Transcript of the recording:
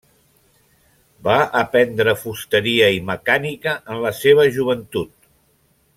Va aprendre fusteria i mecànica en la seva joventut.